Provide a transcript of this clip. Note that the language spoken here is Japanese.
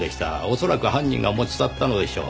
恐らく犯人が持ち去ったのでしょう。